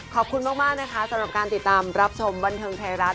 ขอบคุณมากนะคะสำหรับการติดตามรับชมบันเทิงไทยรัฐ